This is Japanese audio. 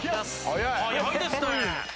速いですね。